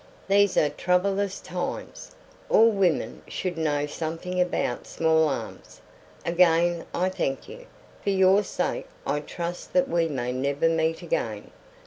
"These are troublous times. All women should know something about small arms. Again I thank you. For your own sake I trust that we may never meet again.